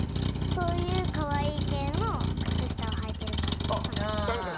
そういう可愛い系の靴下をはいてるから、△。